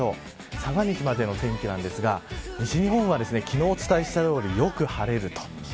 三が日までの天気なんですが西日本は昨日お伝えしたようによく晴れると。